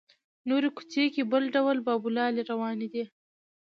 نورې کوڅې کې بل ډول بابولالې روانې دي.